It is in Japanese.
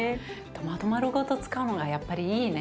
トマトまるごと使うのがやっぱりいいね。